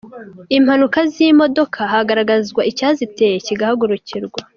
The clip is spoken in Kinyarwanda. Impanuka z’imodoka hagaragazwa icya ziteye kigahagurukirwa.